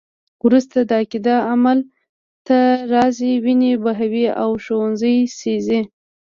وروسته دا عقیده عمل ته راځي، وینې بهوي او ښوونځي سیزي.